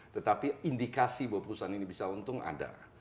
tetapi indikasi bahwa perusahaan ini bisa untung ada